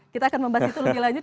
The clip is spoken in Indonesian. kita akan membahas itu lebih lanjut